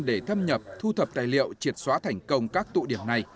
để thâm nhập thu thập tài liệu triệt xóa thành công các tụ điểm này